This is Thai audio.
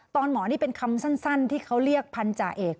หมอนี่เป็นคำสั้นที่เขาเรียกพันธาเอก